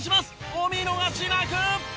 お見逃しなく！